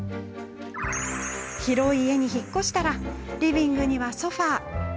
広い家に引っ越したらリビングにはソファー。